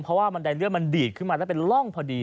เพราะว่าบันไดเลื่อนมันดีดขึ้นมาแล้วเป็นร่องพอดี